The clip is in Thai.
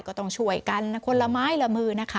ก็ต้องช่วยกันคนละไม้ละมือนะคะ